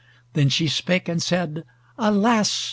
Then she spake and said, "Alas!